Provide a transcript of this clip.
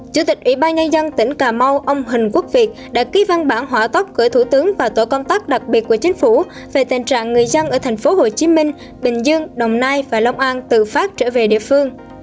chủ tịch ủy ban nhân dân tỉnh cà mau ông huỳnh quốc việt đã ký văn bản hỏa tóc của thủ tướng và tổ công tác đặc biệt của chính phủ về tình trạng người dân ở thành phố hồ chí minh bình dương đồng nai và long an tự phát trở về địa phương